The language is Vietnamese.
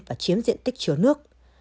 và chiếm diện tích chứa nước